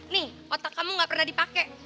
nih otak kamu gak pernah dipakai